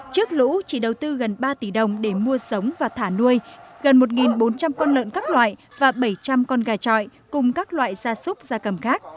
trước lũ chỉ đầu tư gần ba tỷ đồng để mua sống và thả nuôi gần một bốn trăm linh con lợn các loại và bảy trăm linh con gà trọi cùng các loại gia súc gia cầm khác